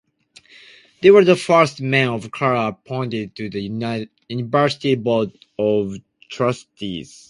They were the first men of color appointed to the University Board of Trustees.